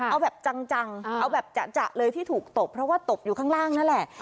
เอาแบบจังเอาแบบจะเลยที่ถูกตบเพราะว่าตบอยู่ข้างล่างนั่นแหละ